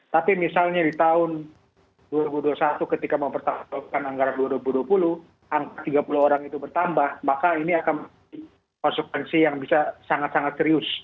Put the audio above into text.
tapi misalnya di tahun dua ribu dua puluh satu ketika mempertahankan anggaran dua ribu dua puluh angka tiga puluh orang itu bertambah maka ini akan konsekuensi yang bisa sangat sangat serius